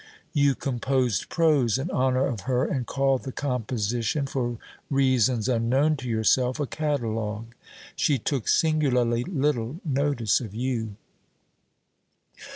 You composed prose in honour of her and called the composition (for reasons unknown to yourself) a "catalogue." She took singularly little notice of you.